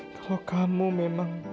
kalau kamu memang